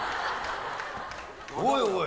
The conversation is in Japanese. おいおい。